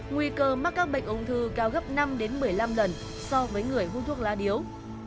nguy cơ mắc các bệnh ung thư cao gấp năm một mươi năm lần so với người hút thuốc lá điếu